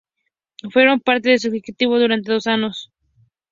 Fueron parte de su ejecutivo durante dos anos.